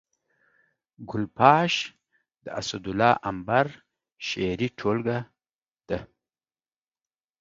ګل پاش د اسدالله امبر شعري ټولګه ده